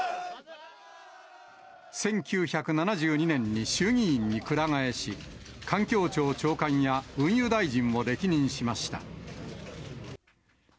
１９７２年に衆議院に鞍替えし、環境庁長官や運輸大臣を歴任しました。